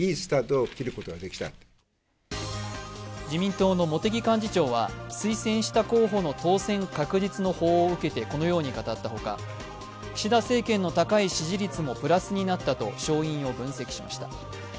自民党の茂木幹事長は推薦した候補の当選確実の報を受けてこのように語ったほか岸田政権の高い支持率もプラスになったと勝因を分析しました。